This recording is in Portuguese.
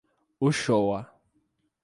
Uchoa